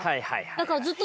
だからずっと。